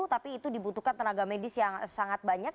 tapi itu dibutuhkan tenaga medis yang sangat banyak